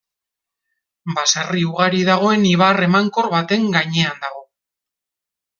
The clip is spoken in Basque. Baserri ugari dagoen ibar emankor baten gainean dago.